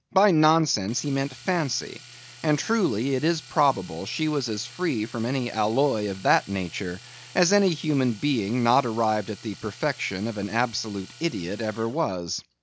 By nonsense he meant fancy; and truly it is probable she was as free from any alloy of that nature, as any human being not arrived at the perfection of an absolute idiot, ever was.